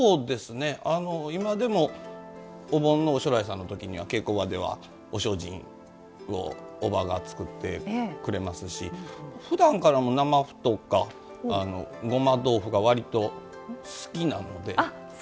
今でもお盆のおしょらいさんの時には稽古場では、お精進をおばが作ってくれますしふだんからも生麩とかごま豆腐が割と好きなので。